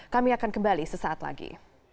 kami akan kembali sesaat lagi